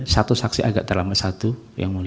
satu saksi agak terlambat satu yang mulia